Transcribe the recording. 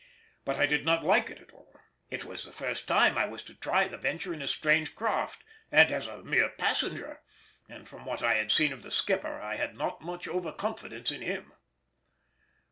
But I did not like it at all; it was the first time I was to try the venture in a strange craft and as a mere passenger, and from what I had seen of the skipper I had not over much confidence in him.